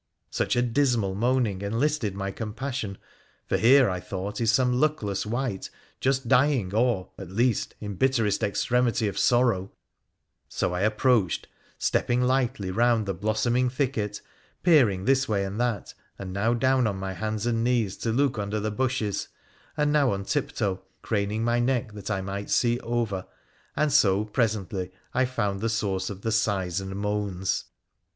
Such a dismal moaning enlisted my compassion, for here, I thought, is some luckless wight just dying or, at least, in bitterest extremity of sorrow : so I approached, stepping lightly rcund the blossoming thicket — peering this way and that, and now down on my hands and knees to look under the bushes, and now on tiptoe, craning my neck that I might see over, and so, presently, I found the source of the sighs and moans.